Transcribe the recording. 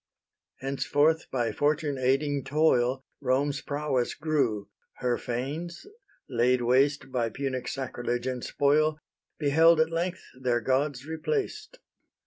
Henceforth, by fortune aiding toil, Rome's prowess grew: her fanes, laid waste By Punic sacrilege and spoil, Beheld at length their gods replaced.